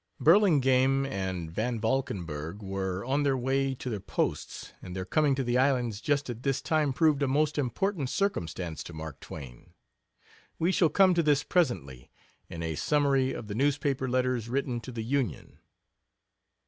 Burlingame and Van Valkenburgh were on their way to their posts, and their coming to the islands just at this time proved a most important circumstance to Mark Twain. We shall come to this presently, in a summary of the newspaper letters written to the Union.